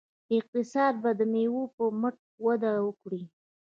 اقتصاد به د میوو په مټ وده وکړي.